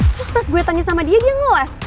terus pas gue tanya sama dia dia ngelas